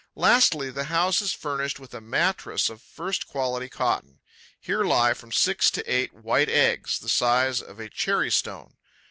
Lastly, the house is furnished with a mattress of first quality cotton. Here lie from six to eight white eggs, the size of a cherry stone.